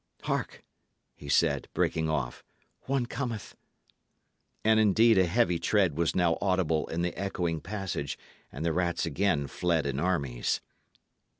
Hark!" he said, breaking off "one cometh." And indeed a heavy tread was now audible in the echoing passage, and the rats again fled in armies.